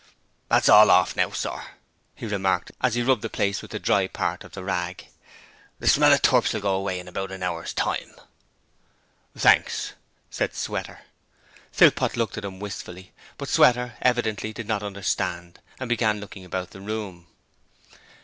'It's all orf now, sir,' he remarked, as he rubbed the place with a dry part of the rag. 'The smell of the turps will go away in about a hour's time.' 'Thanks,' said Sweater. Philpot looked at him wistfully, but Sweater evidently did not understand, and began looking about the room.